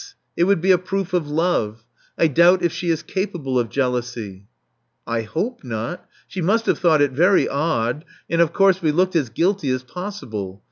It would be a proof of love. I doubt if she is capable of jealousy." I hope not. She must have thought it very odd; and, of course, we looked as guilty as possible.